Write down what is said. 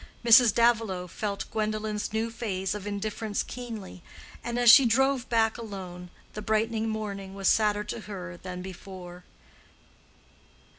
Mrs. Davilow felt Gwendolen's new phase of indifference keenly, and as she drove back alone, the brightening morning was sadder to her than before.